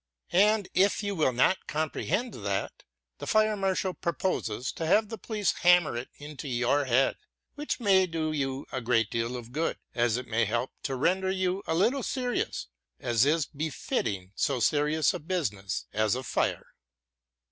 And if you will not comprehend that, the fire marshal proposes to have the police hammer it into your head; which may do you a great deal of good, as it may help to render you a little serious, as is befitting so serious a business as a fire.